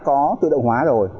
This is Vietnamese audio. có tự động hóa rồi